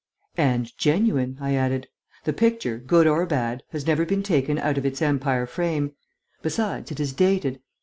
"And genuine," I added. "The picture, good or bad, has never been taken out of its Empire frame. Besides, it is dated....